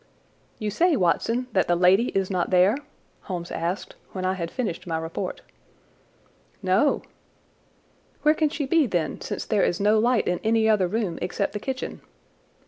"You say, Watson, that the lady is not there?" Holmes asked when I had finished my report. "No." "Where can she be, then, since there is no light in any other room except the kitchen?"